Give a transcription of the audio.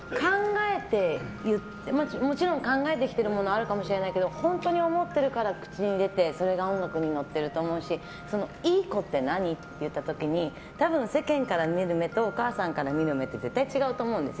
もちろん考えているものはあるかもしれないけど本当に思っているから口に出てそれが音楽に乗ってると思うしいい子って何？って言った時に多分、世間から見える目とお母さんから見る目って絶対違うと思うんですよ。